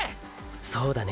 そうだね